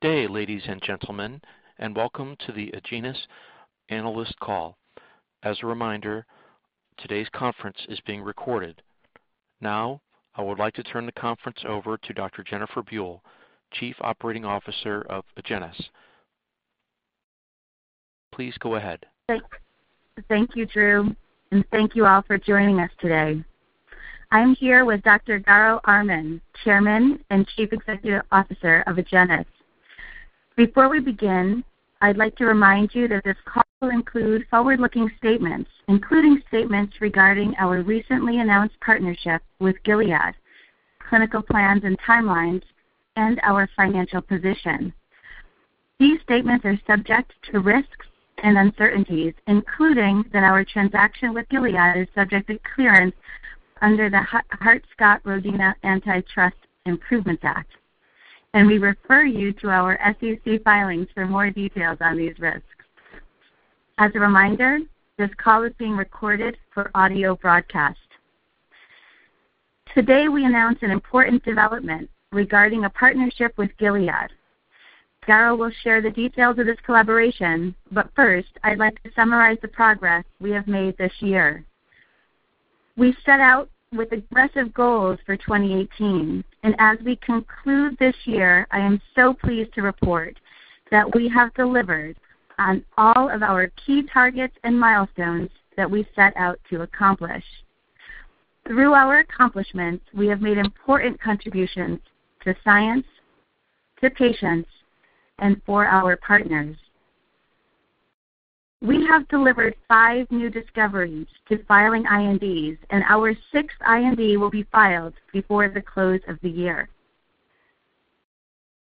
Good day, ladies and gentlemen, welcome to the Agenus analyst call. As a reminder, today's conference is being recorded. Now I would like to turn the conference over to Dr. Jennifer Buell, Chief Operating Officer of Agenus. Please go ahead. Thanks. Thank you, Drew, thank you all for joining us today. I'm here with Dr. Garo Armen, Chairman and Chief Executive Officer of Agenus. Before we begin, I'd like to remind you that this call will include forward-looking statements, including statements regarding our recently announced partnership with Gilead, clinical plans and timelines, and our financial position. These statements are subject to risks and uncertainties, including that our transaction with Gilead is subject to clearance under the Hart-Scott-Rodino Antitrust Improvements Act. We refer you to our SEC filings for more details on these risks. As a reminder, this call is being recorded for audio broadcast. Today, we announce an important development regarding a partnership with Gilead. Garo will share the details of this collaboration, first, I'd like to summarize the progress we have made this year. We set out with aggressive goals for 2018, as we conclude this year, I am so pleased to report that we have delivered on all of our key targets and milestones that we set out to accomplish. Through our accomplishments, we have made important contributions to science, to patients, and for our partners. We have delivered five new discoveries to filing INDs, our sixth IND will be filed before the close of the year.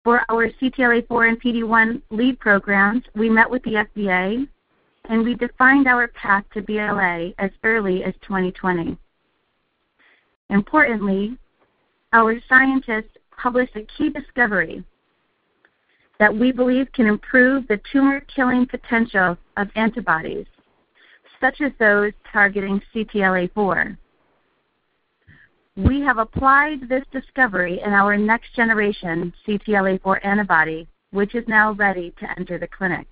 For our CTLA-4 and PD-1 lead programs, we met with the FDA, we defined our path to BLA as early as 2020. Importantly, our scientists published a key discovery that we believe can improve the tumor-killing potential of antibodies, such as those targeting CTLA-4. We have applied this discovery in our next-generation CTLA-4 antibody, which is now ready to enter the clinic.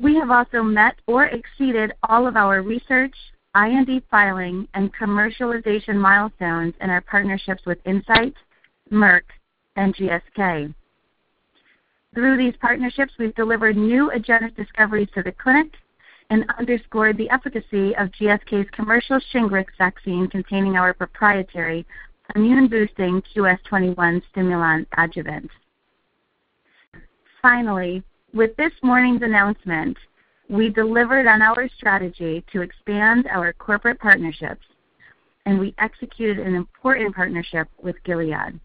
We have also met or exceeded all of our research, IND filing, and commercialization milestones in our partnerships with Incyte, Merck, and GSK. Through these partnerships, we've delivered new Agenus discoveries to the clinic and underscored the efficacy of GSK's commercial SHINGRIX vaccine, containing our proprietary immune-boosting QS-21 Stimulon adjuvant. Finally, with this morning's announcement, we delivered on our strategy to expand our corporate partnerships, we executed an important partnership with Gilead.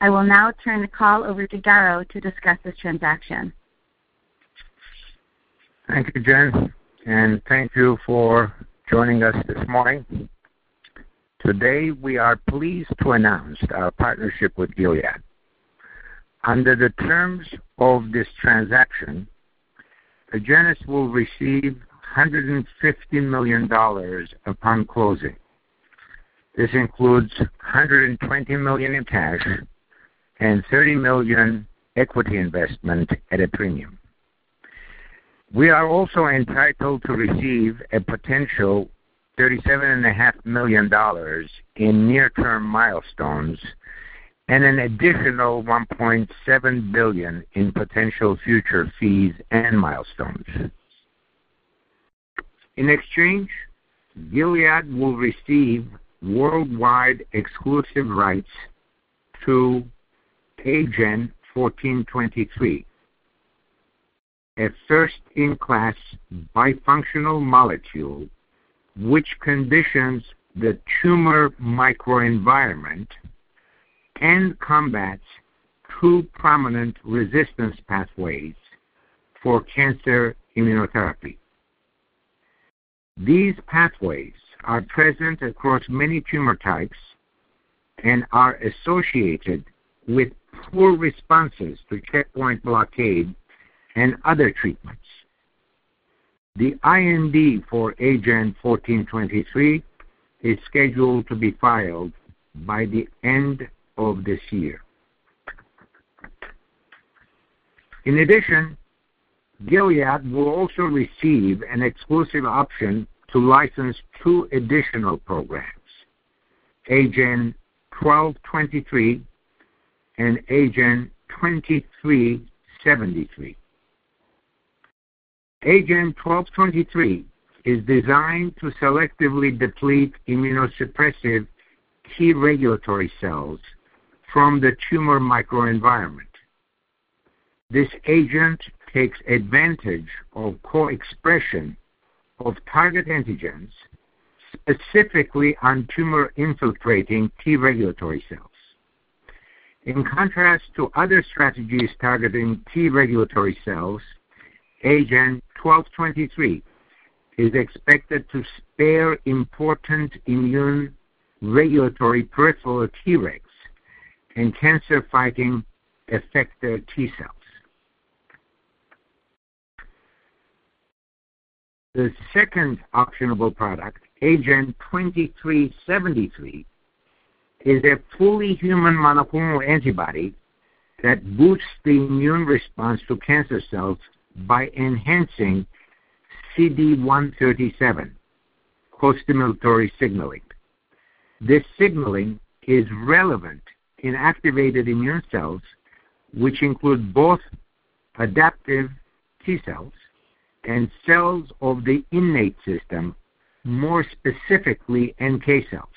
I will now turn the call over to Garo to discuss this transaction. Thank you, Jen, and thank you for joining us this morning. Today, we are pleased to announce our partnership with Gilead. Under the terms of this transaction, Agenus will receive $150 million upon closing. This includes $120 million in cash and $30 million equity investment at a premium. We are also entitled to receive a potential $37.5 million in near-term milestones and an additional $1.7 billion in potential future fees and milestones. In exchange, Gilead will receive worldwide exclusive rights to AGEN1423, a first-in-class bifunctional molecule which conditions the tumor microenvironment and combats two prominent resistance pathways for cancer immunotherapy. These pathways are present across many tumor types and are associated with poor responses to checkpoint blockade and other treatments. The IND for AGEN1423 is scheduled to be filed by the end of this year. In addition, Gilead will also receive an exclusive option to license two additional programs, AGEN1223 and AGEN2373. AGEN1223 is designed to selectively deplete immunosuppressive T-regulatory cells from the tumor microenvironment. This agent takes advantage of co-expression of target antigens, specifically on tumor-infiltrating T-regulatory cells. In contrast to other strategies targeting T-regulatory cells, AGEN1223 is expected to spare important immune regulatory peripheral Tregs in cancer-fighting effector T cells. The second optionable product, AGEN2373, is a fully human monoclonal antibody that boosts the immune response to cancer cells by enhancing CD137 costimulatory signaling. This signaling is relevant in activated immune cells, which include both adaptive T cells and cells of the innate system, more specifically NK cells.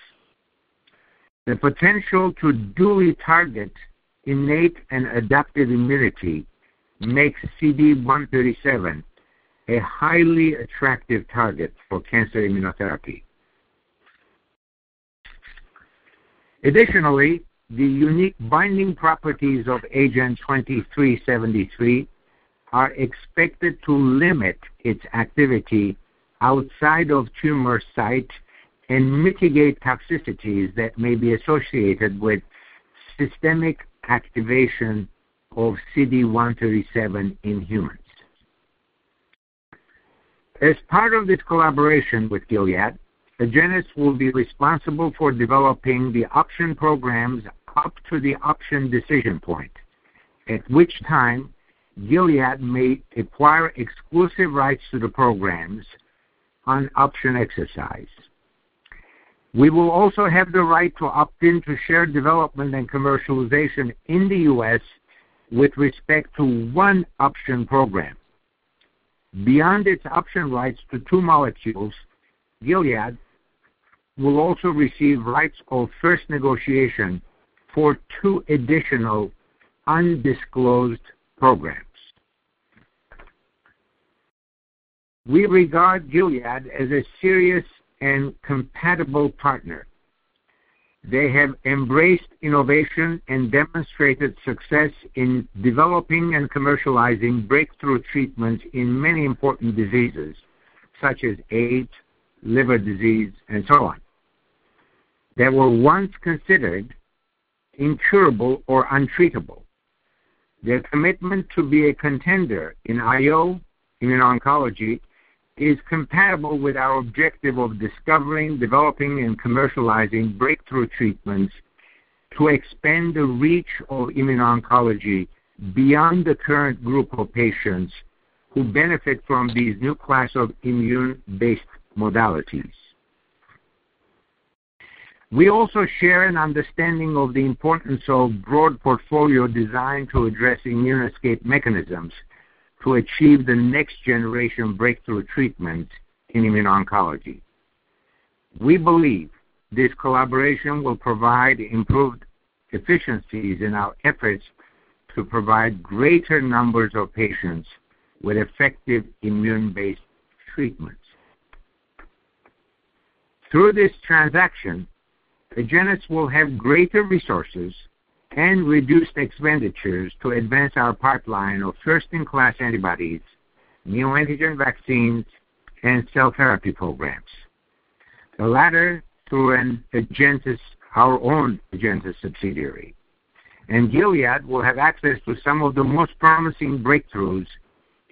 The potential to duly target innate and adaptive immunity makes CD137 a highly attractive target for cancer immunotherapy. Additionally, the unique binding properties of AGEN2373 are expected to limit its activity outside of tumor site and mitigate toxicities that may be associated with systemic activation of CD137 in humans. As part of this collaboration with Gilead, Agenus will be responsible for developing the option programs up to the option decision point, at which time Gilead may acquire exclusive rights to the programs on option exercise. We will also have the right to opt in to shared development and commercialization in the U.S. with respect to one option program. Beyond its option rights to two molecules, Gilead will also receive rights of first negotiation for two additional undisclosed programs. We regard Gilead as a serious and compatible partner. They have embraced innovation and demonstrated success in developing and commercializing breakthrough treatments in many important diseases such as AIDS, liver disease, and so on, that were once considered incurable or untreatable. Their commitment to be a contender in IO, immune oncology, is compatible with our objective of discovering, developing, and commercializing breakthrough treatments to expand the reach of immune oncology beyond the current group of patients who benefit from these new class of immune-based modalities. We also share an understanding of the importance of broad portfolio designed to address immune escape mechanisms to achieve the next generation breakthrough treatment in immune oncology. We believe this collaboration will provide improved efficiencies in our efforts to provide greater numbers of patients with effective immune-based treatments. Through this transaction, Agenus will have greater resources and reduced expenditures to advance our pipeline of first-in-class antibodies, neoantigen vaccines, and cell therapy programs, the latter through our own AgenTus subsidiary. Gilead will have access to some of the most promising breakthroughs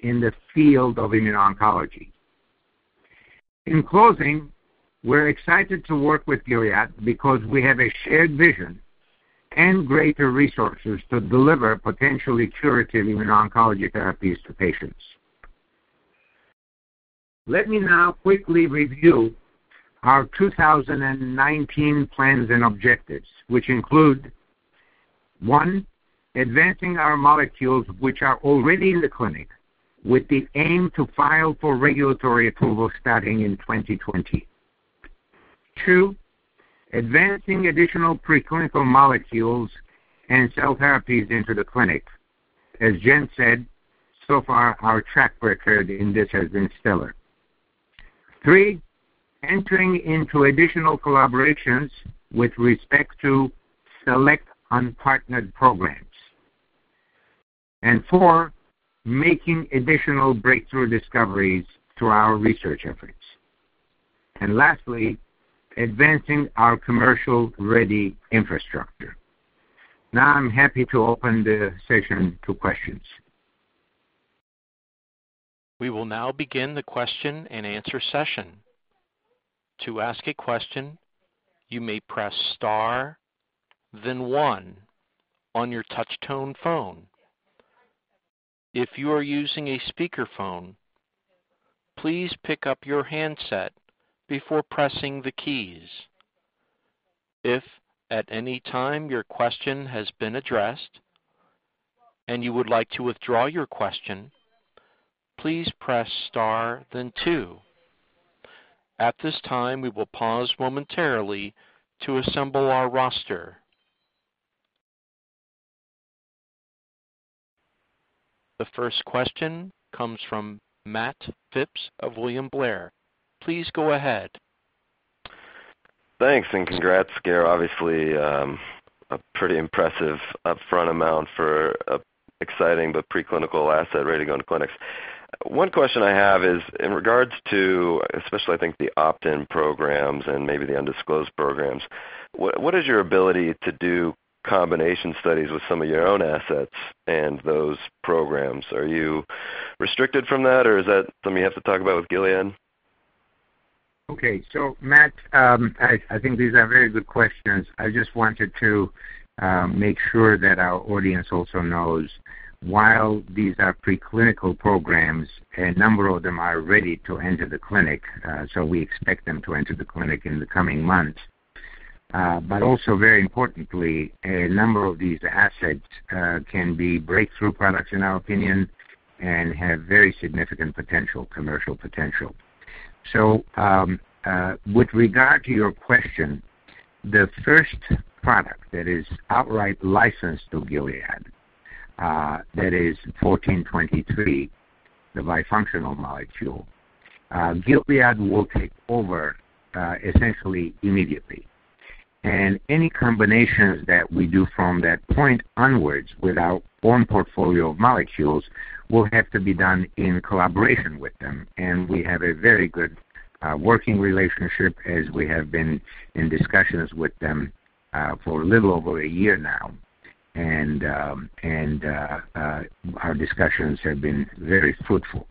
in the field of immune oncology. In closing, we're excited to work with Gilead because we have a shared vision and greater resources to deliver potentially curative immune oncology therapies to patients. Let me now quickly review our 2019 plans and objectives, which include, one, advancing our molecules which are already in the clinic with the aim to file for regulatory approval starting in 2020. Two, advancing additional preclinical molecules and cell therapies into the clinic. As Jen said, so far our track record in this has been stellar. Three, entering into additional collaborations with respect to select unpartnered programs. Four, making additional breakthrough discoveries through our research efforts. Lastly, advancing our commercial-ready infrastructure. Now I'm happy to open the session to questions. We will now begin the question-and-answer session. To ask a question, you may press star then one on your touch tone phone. If you are using a speakerphone, please pick up your handset before pressing the keys. If at any time your question has been addressed and you would like to withdraw your question, please press star then two. At this time, we will pause momentarily to assemble our roster. The first question comes from Matt Phipps of William Blair. Please go ahead. Thanks and congrats, Garo. Obviously, a pretty impressive upfront amount for exciting but preclinical asset ready to go into clinics. One question I have is in regards to, especially I think the opt-in programs and maybe the undisclosed programs, what is your ability to do combination studies with some of your own assets and those programs? Are you restricted from that, or is that something you have to talk about with Gilead? Matt, I think these are very good questions. I just wanted to make sure that our audience also knows while these are preclinical programs, a number of them are ready to enter the clinic, so we expect them to enter the clinic in the coming months. Also very importantly, a number of these assets can be breakthrough products in our opinion, and have very significant potential, commercial potential. With regard to your question, the first product that is outright licensed to Gilead, that is 1423, the bifunctional molecule. Gilead will take over essentially immediately. Any combinations that we do from that point onwards with our own portfolio of molecules will have to be done in collaboration with them. We have a very good working relationship as we have been in discussions with them for a little over a year now. Our discussions have been very fruitful.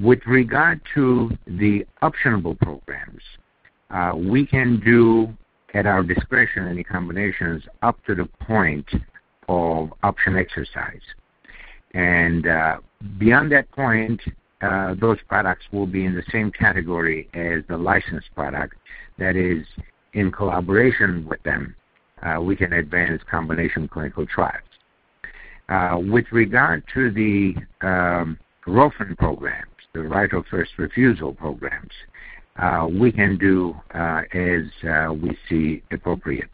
With regard to the optionable programs, we can do at our discretion any combinations up to the point of option exercise. Beyond that point, those products will be in the same category as the licensed product that is in collaboration with them. We can advance combination clinical trials. With regard to the ROFR programs, the right of first refusal programs, we can do as we see appropriate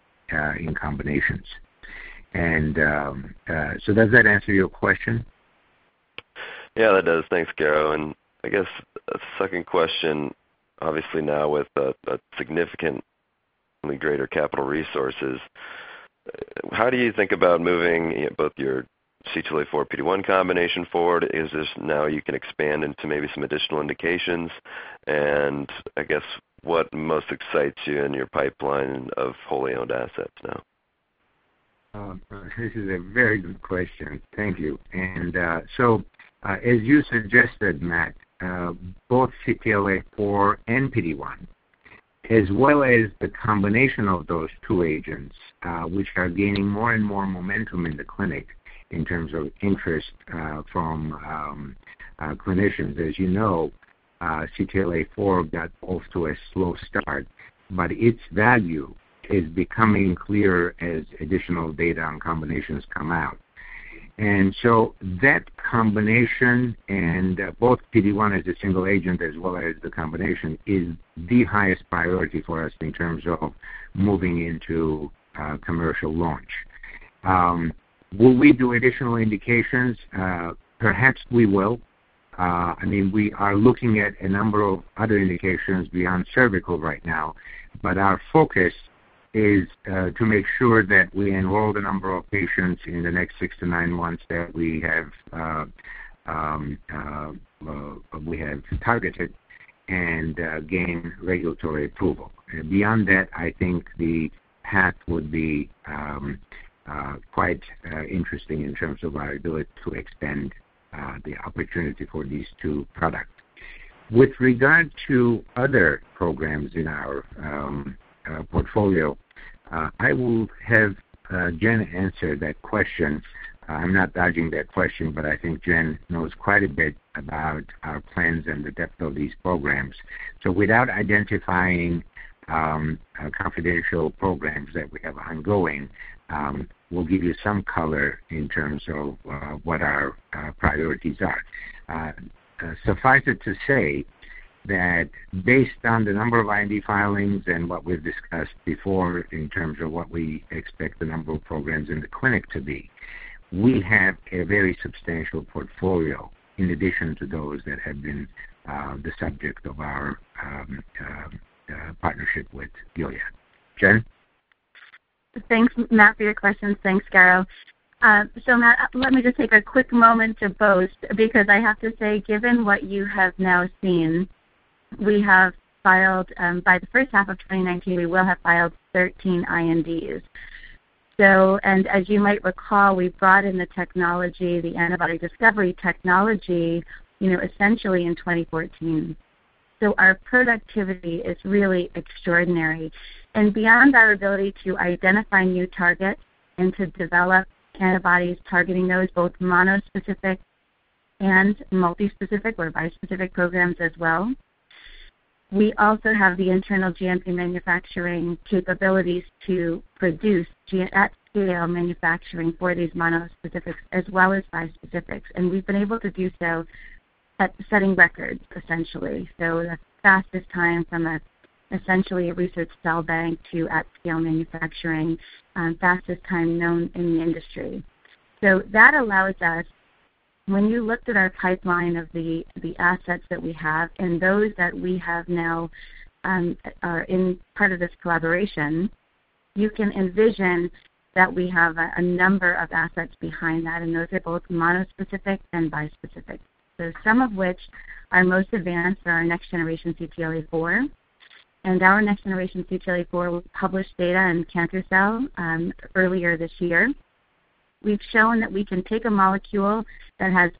in combinations. Does that answer your question? Yeah, that does. Thanks, Garo. I guess a second question, obviously now with a significant greater capital resources, how do you think about moving both your CTLA-4 PD-1 combination forward? Is this now you can expand into maybe some additional indications? I guess what most excites you in your pipeline of wholly owned assets now? This is a very good question. Thank you. As you suggested, Matt, both CTLA-4 and PD-1, as well as the combination of those two agents, which are gaining more and more momentum in the clinic in terms of interest from clinicians. As you know, CTLA-4 got off to a slow start, but its value is becoming clearer as additional data on combinations come out. That combination and both PD-1 as a single agent as well as the combination is the highest priority for us in terms of moving into commercial launch. Will we do additional indications? Perhaps we will. We are looking at a number of other indications beyond cervical right now, but our focus is to make sure that we enroll the number of patients in the next six to nine months that we have targeted and gain regulatory approval. Beyond that, I think the path would be quite interesting in terms of our ability to expand the opportunity for these two products. With regard to other programs in our portfolio, I will have Jen answer that question. I'm not dodging that question. I think Jen knows quite a bit about our plans and the depth of these programs. Without identifying confidential programs that we have ongoing, we'll give you some color in terms of what our priorities are. Suffice it to say that based on the number of IND filings and what we've discussed before in terms of what we expect the number of programs in the clinic to be, we have a very substantial portfolio in addition to those that have been the subject of our partnership with Gilead. Jen? Thanks, Matt, for your questions. Thanks, Garo. Matt, let me just take a quick moment to boast, because I have to say, given what you have now seen, we have filed, by the first half of 2019, we will have filed 13 INDs. As you might recall, we brought in the technology, the antibody discovery technology, essentially in 2014. Our productivity is really extraordinary. Beyond our ability to identify new targets and to develop antibodies targeting those, both monospecific and multispecific or bispecific programs as well, we also have the internal GMP manufacturing capabilities to produce at-scale manufacturing for these monospecifics as well as bispecifics. We've been able to do so at setting records, essentially. The fastest time from essentially a research cell bank to at-scale manufacturing, fastest time known in the industry. That allows us, when you looked at our pipeline of the assets that we have, and those that we have now are in part of this collaboration, you can envision that we have a number of assets behind that, and those are both monospecific and bispecific. Some of which are most advanced are our next generation CTLA-4. Our next generation CTLA-4 published data in Cancer Cell earlier this year. We've shown that we can take a molecule that has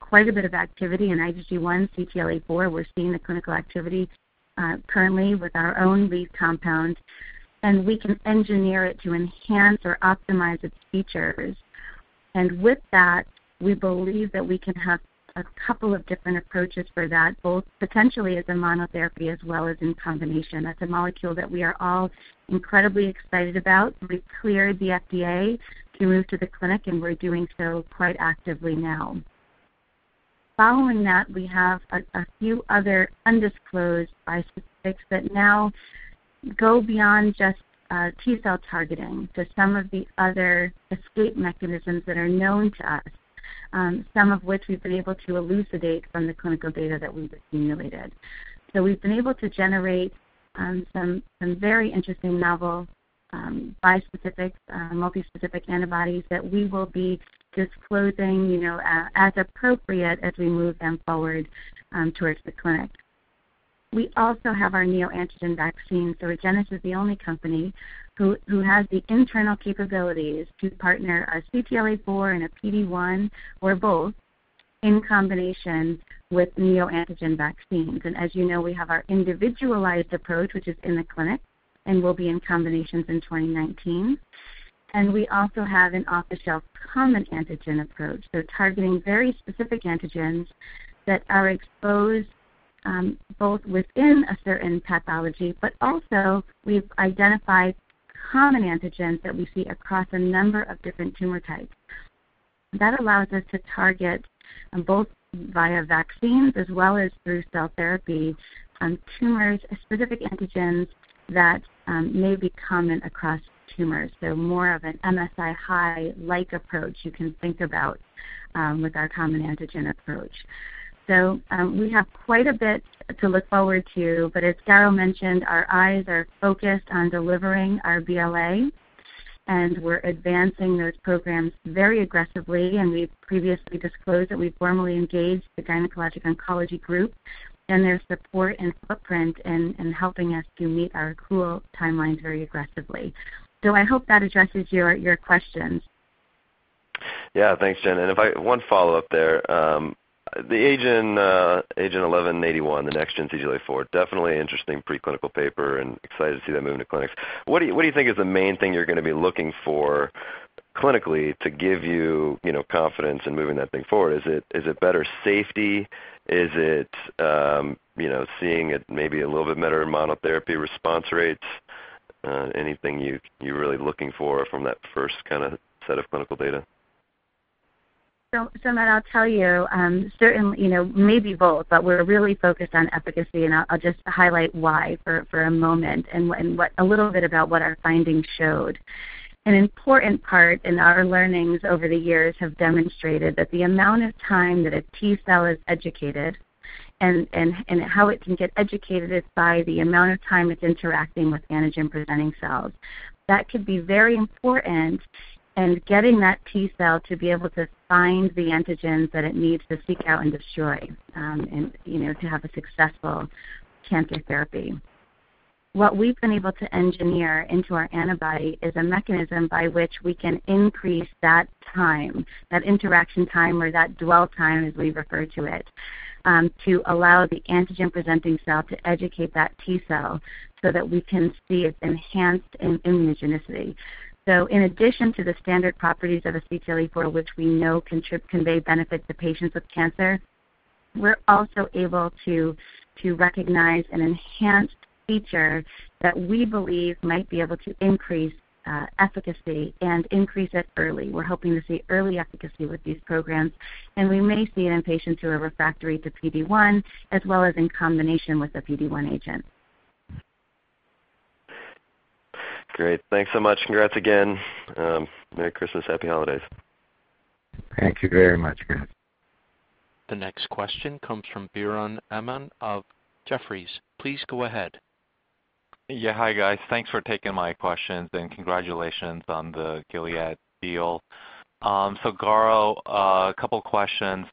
quite a bit of activity in IgG1, CTLA-4. We're seeing the clinical activity currently with our own lead compound, and we can engineer it to enhance or optimize its features. With that, we believe that we can have a couple of different approaches for that, both potentially as a monotherapy as well as in combination. That's a molecule that we are all incredibly excited about. We've cleared the FDA to move to the clinic, and we're doing so quite actively now. Following that, we have a few other undisclosed bispecifics that now go beyond just T cell targeting to some of the other escape mechanisms that are known to us, some of which we've been able to elucidate from the clinical data that we've accumulated. We've been able to generate some very interesting novel bispecific, multi-specific antibodies that we will be disclosing as appropriate as we move them forward towards the clinic. We also have our neoantigen vaccine. Agenus is the only company who has the internal capabilities to partner our CTLA-4 and a PD-1, or both, in combination with neoantigen vaccines. As you know, we have our individualized approach, which is in the clinic and will be in combinations in 2019. We also have an off-the-shelf common antigen approach. Targeting very specific antigens that are exposed both within a certain pathology, but also we've identified common antigens that we see across a number of different tumor types. That allows us to target both via vaccines as well as through cell therapy on tumors, specific antigens that may be common across tumors. More of an MSI-high-like approach you can think about with our common antigen approach. We have quite a bit to look forward to, but as Garo mentioned, our eyes are focused on delivering our BLA, and we're advancing those programs very aggressively, and we've previously disclosed that we formally engaged the Gynecologic Oncology Group and their support and footprint in helping us to meet our accrual timelines very aggressively. I hope that addresses your questions. Yeah. Thanks, Jen. One follow-up there. The AGEN1181, the next-gen CTLA-4, definitely interesting preclinical paper and excited to see that moving to clinics. What do you think is the main thing you're going to be looking for clinically to give you confidence in moving that thing forward? Is it better safety? Is it seeing it maybe a little bit better monotherapy response rates? Anything you're really looking for from that first set of clinical data? Matt, I'll tell you, maybe both, but we're really focused on efficacy, and I'll just highlight why for a moment and a little bit about what our findings showed. An important part in our learnings over the years have demonstrated that the amount of time that a T cell is educated and how it can get educated is by the amount of time it's interacting with antigen-presenting cells. That could be very important in getting that T cell to be able to find the antigens that it needs to seek out and destroy to have a successful cancer therapy. What we've been able to engineer into our antibody is a mechanism by which we can increase that time, that interaction time or that dwell time, as we refer to it, to allow the antigen-presenting cell to educate that T cell so that we can see its enhanced immunogenicity. In addition to the standard properties of a CTLA-4, which we know can convey benefit to patients with cancer, we're also able to recognize an enhanced feature that we believe might be able to increase efficacy and increase it early. We're hoping to see early efficacy with these programs, and we may see it in patients who are refractory to PD-1 as well as in combination with a PD-1 agent. Great. Thanks so much. Congrats again. Merry Christmas, happy holidays. Thank you very much. The next question comes from Biren Amin of Jefferies. Please go ahead. Hi, guys. Thanks for taking my questions and congratulations on the Gilead deal. Garo, a couple questions.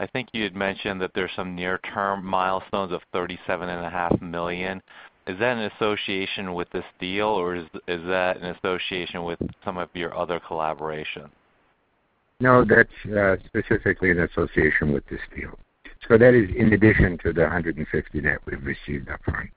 I think you had mentioned that there's some near-term milestones of $37.5 million. Is that in association with this deal, or is that in association with some of your other collaboration? No, that's specifically in association with this deal. That is in addition to the $150 that we've received up front.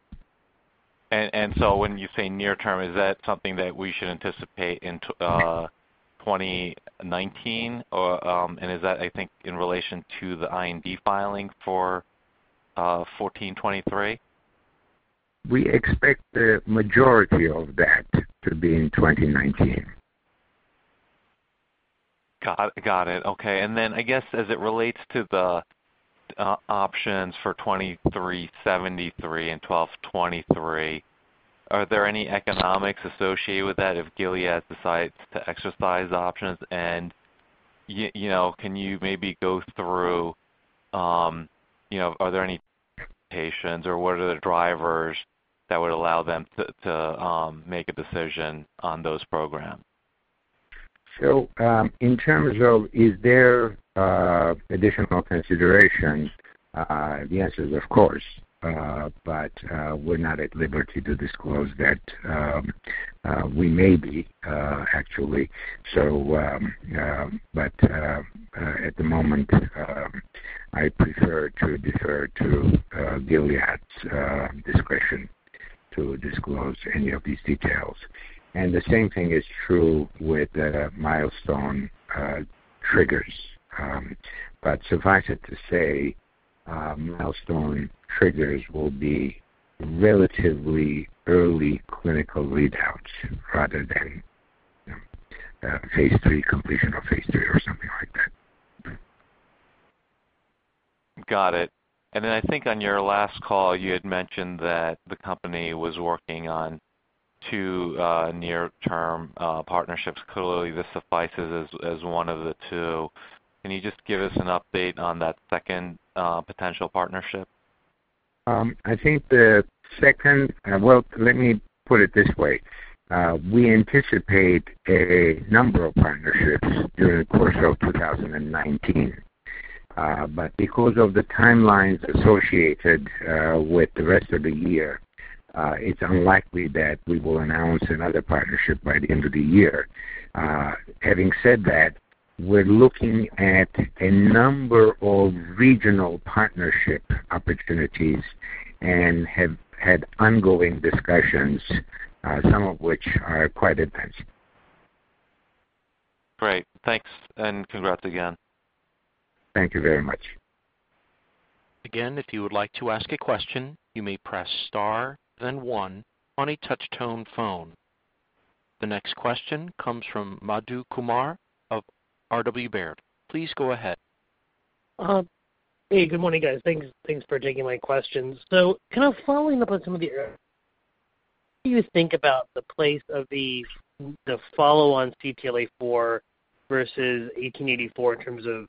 When you say near term, is that something that we should anticipate in 2019, and is that, I think, in relation to the IND filing for 1423? We expect the majority of that to be in 2019. Got it. Okay. Then I guess as it relates to the options for 2373 and 1223, are there any economics associated with that if Gilead decides to exercise options? Can you maybe go through, are there any patients, or what are the drivers that would allow them to make a decision on those programs? In terms of is there additional consideration. The answer is of course, but we're not at liberty to disclose that. We may be, actually. At the moment, I prefer to defer to Gilead's discretion to disclose any of these details. The same thing is true with milestone triggers. Suffice it to say, milestone triggers will be relatively early clinical readouts rather than phase III completion or phase III or something like that. Got it. I think on your last call, you had mentioned that the company was working on two near-term partnerships. Clearly, this suffices as one of the two. Can you just give us an update on that second potential partnership? Well, let me put it this way. We anticipate a number of partnerships during the course of 2019. Because of the timelines associated with the rest of the year, it's unlikely that we will announce another partnership by the end of the year. Having said that, we're looking at a number of regional partnership opportunities and have had ongoing discussions, some of which are quite advanced. Great. Thanks, and congrats again. Thank you very much. If you would like to ask a question, you may press star then one on a touch-tone phone. The next question comes from Madhu Kumar of R.W. Baird. Please go ahead. Hey, good morning, guys. Thanks for taking my questions. Kind of following up on some of the earlier, what do you think about the place of the follow-on CTLA-4 versus 1884 in terms of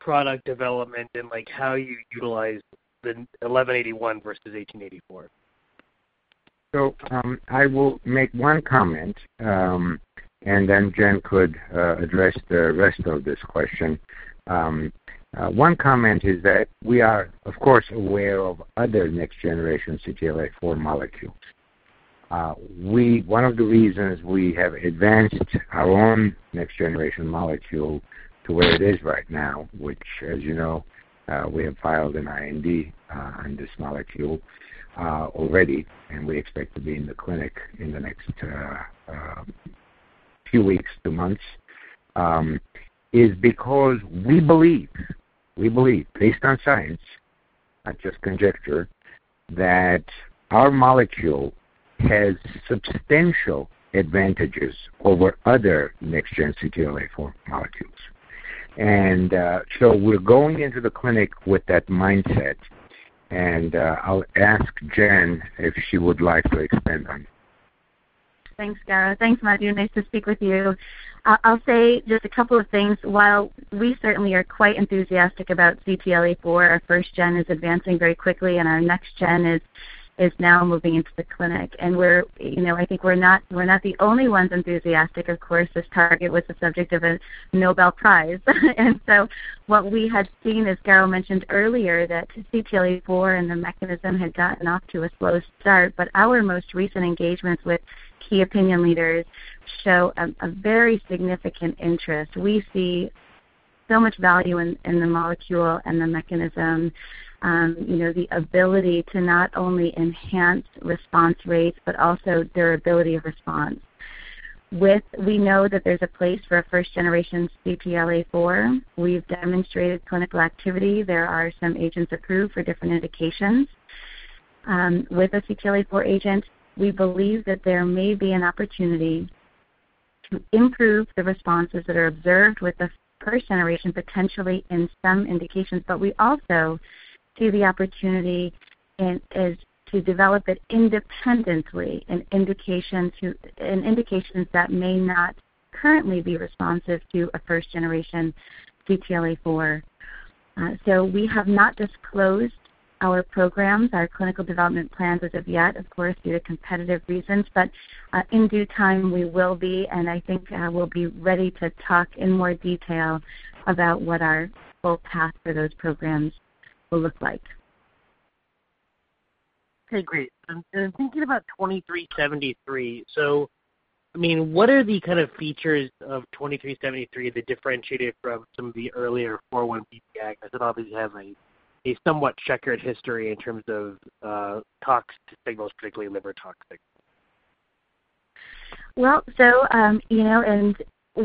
product development and how you utilize the 1181 versus 1884? I will make one comment, and then Jen could address the rest of this question. One comment is that we are, of course, aware of other next-generation CTLA-4 molecules. One of the reasons we have advanced our own next-generation molecule to where it is right now, which, as you know, we have filed an IND on this molecule already, and we expect to be in the clinic in the next few weeks to months, is because we believe, based on science, not just conjecture, that our molecule has substantial advantages over other next-gen CTLA-4 molecules. We're going into the clinic with that mindset, and I'll ask Jen if she would like to expand on it. Thanks, Garo. Thanks, Madhu. Nice to speak with you. I'll say just a couple of things. While we certainly are quite enthusiastic about CTLA-4, our first gen is advancing very quickly, and our next gen is now moving into the clinic. I think we're not the only ones enthusiastic. Of course, this target was the subject of a Nobel Prize. What we had seen, as Garo mentioned earlier, that CTLA-4 and the mechanism had gotten off to a slow start, but our most recent engagements with key opinion leaders show a very significant interest. We see so much value in the molecule and the mechanism. The ability to not only enhance response rates but also durability of response. We know that there's a place for a first-generation CTLA-4. We've demonstrated clinical activity. There are some agents approved for different indications. With a CTLA-4 agent, we believe that there may be an opportunity to improve the responses that are observed with the first generation, potentially in some indications. We also see the opportunity to develop it independently in indications that may not currently be responsive to a first-generation CTLA-4. We have not disclosed our programs, our clinical development plans as of yet, of course, due to competitive reasons. In due time, we will be, and I think we'll be ready to talk in more detail about what our full path for those programs will look like. Okay, great. Thinking about 2373, what are the kind of features of 2373 that differentiate it from some of the earlier 4-1BB agonists? Obviously, it has a somewhat checkered history in terms of tox signals, particularly liver toxic.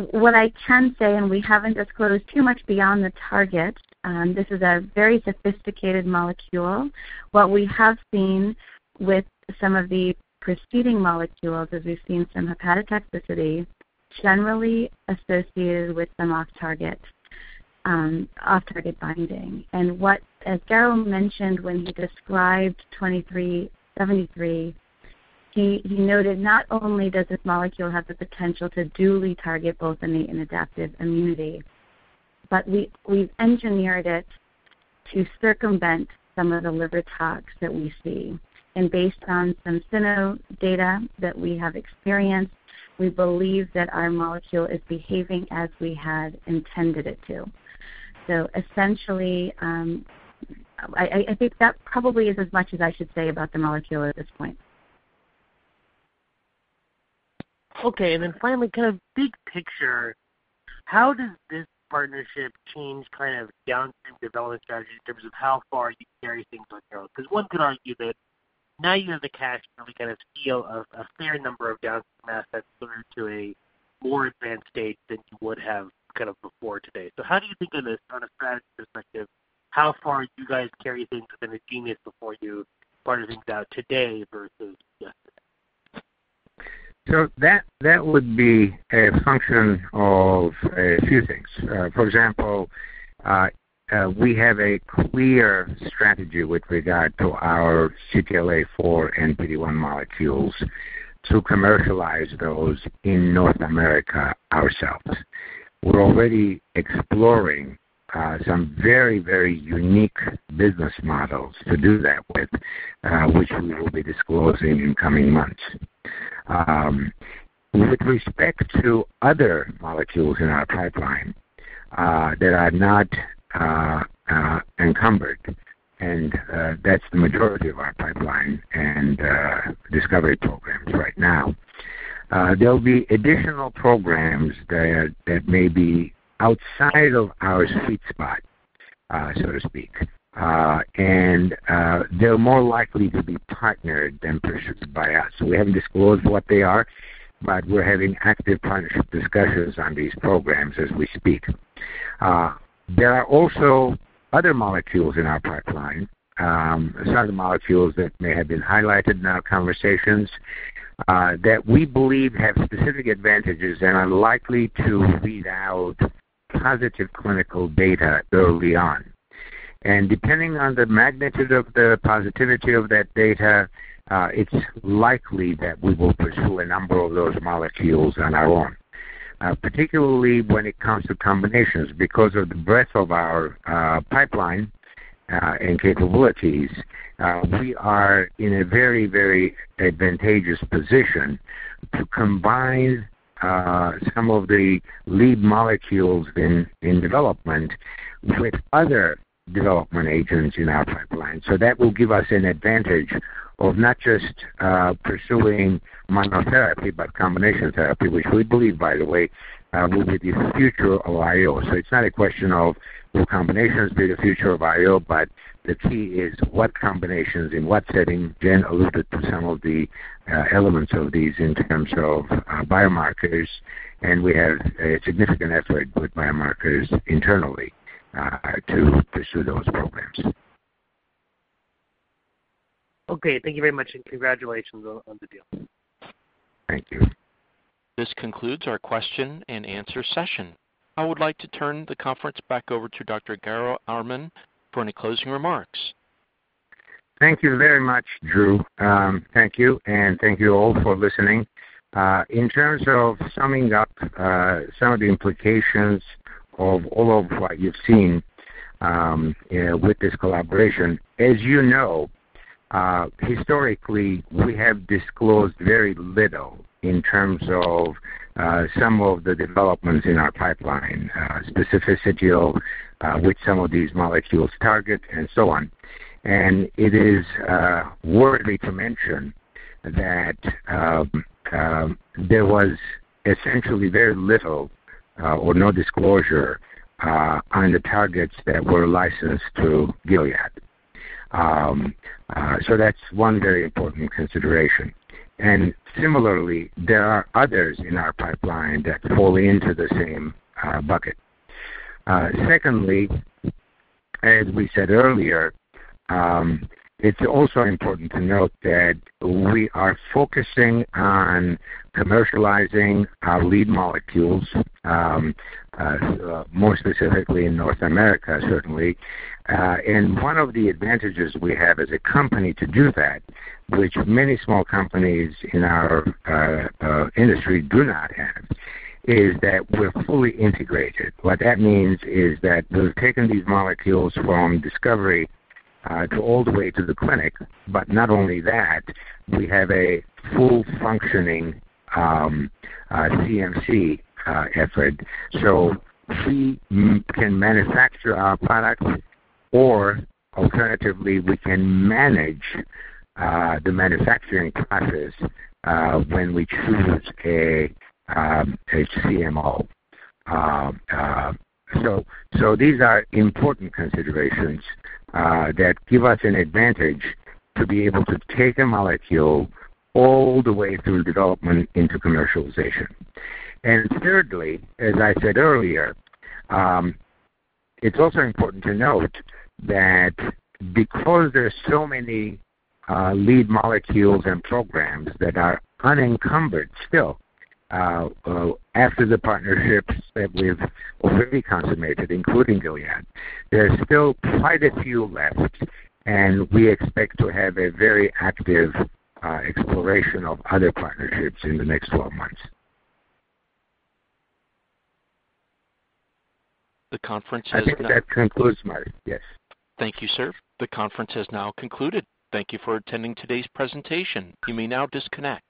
What I can say, we haven't disclosed too much beyond the target, this is a very sophisticated molecule. What we have seen with some of the preceding molecules is we've seen some hepatic toxicity generally associated with some off-target binding. As Garo mentioned when he described 2373, he noted not only does this molecule have the potential to duly target both innate and adaptive immunity, but we've engineered it to circumvent some of the liver tox that we see. Based on some cyno data that we have experienced, we believe that our molecule is behaving as we had intended it to. Essentially, I think that probably is as much as I should say about the molecule at this point. Okay, finally, kind of big picture, how does this partnership change downstream development strategy in terms of how far you carry things on your own? Because one could argue that now you have the cash flow to kind of feel a fair number of downstream assets similar to a more advanced state than you would have before today. How do you think of this on a strategy perspective, how far you guys carry things within Agenus before you partner things out today versus yesterday? That would be a function of a few things. For example, we have a clear strategy with regard to our CTLA-4 and PD-1 molecules to commercialize those in North America ourselves. We're already exploring some very, very unique business models to do that with which we will be disclosing in coming months. With respect to other molecules in our pipeline that are not encumbered, and that's the majority of our pipeline and discovery programs right now. There'll be additional programs that may be outside of our sweet spot, so to speak, and they're more likely to be partnered than pursued by us. We haven't disclosed what they are, but we're having active partnership discussions on these programs as we speak. There are also other molecules in our pipeline, some of the molecules that may have been highlighted in our conversations that we believe have specific advantages and are likely to read out positive clinical data early on. Depending on the magnitude of the positivity of that data, it's likely that we will pursue a number of those molecules on our own. Particularly when it comes to combinations. Because of the breadth of our pipeline and capabilities, we are in a very, very advantageous position to combine some of the lead molecules in development with other development agents in our pipeline. That will give us an advantage of not just pursuing monotherapy, but combination therapy, which we believe, by the way will be the future of IO. It's not a question of will combinations be the future of IO, but the key is what combinations in what setting. Jen alluded to some of the elements of these in terms of biomarkers, we have a significant effort with biomarkers internally to pursue those programs. Okay. Thank you very much, and congratulations on the deal. Thank you. This concludes our question-and-answer session. I would like to turn the conference back over to Dr. Garo Armen for any closing remarks. Thank you very much, Drew. Thank you and thank you all for listening. In terms of summing up some of the implications of all of what you've seen with this collaboration, as you know historically we have disclosed very little in terms of some of the developments in our pipeline specificity of which some of these molecules target and so on. It is worthy to mention that there was essentially very little or no disclosure on the targets that were licensed to Gilead. That's one very important consideration. Similarly, there are others in our pipeline that fall into the same bucket. Secondly, as we said earlier it's also important to note that we are focusing on commercializing our lead molecules more specifically in North America, certainly. One of the advantages we have as a company to do that, which many small companies in our industry do not have, is that we're fully integrated. What that means is that we've taken these molecules from discovery all the way to the clinic. Not only that, we have a full functioning CMC effort. We can manufacture our products or alternatively, we can manage the manufacturing process when we choose a CMO. These are important considerations that give us an advantage to be able to take a molecule all the way through development into commercialization. Thirdly, as I said earlier it's also important to note that because there are so many lead molecules and programs that are unencumbered still after the partnerships that we've already consummated, including Gilead, there are still quite a few left, and we expect to have a very active exploration of other partnerships in the next 12 months. The conference is now— I think that concludes my—yes. Thank you, sir. The conference has now concluded. Thank you for attending today's presentation. You may now disconnect.